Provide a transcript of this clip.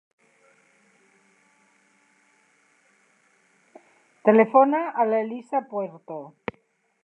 Telefona a l'Elisa Puerto.